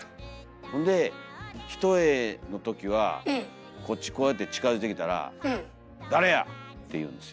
ほんで一重のときはこっちこうやって近づいてきたら「誰や！」って言うんですよ。